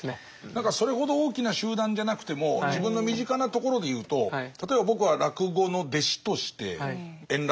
なんかそれほど大きな集団じゃなくても自分の身近なところでいうと例えば僕は落語の弟子として円楽一門に入るんですけどね